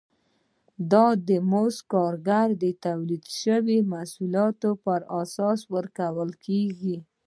دا مزد د کارګر د تولید شویو محصولاتو پر اساس ورکول کېږي